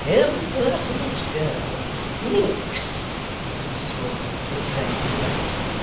'Impertinent girl! Minx!' said Mrs Wilfer, with dread severity.